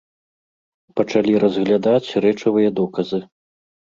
Пачалі разглядаць рэчавыя доказы.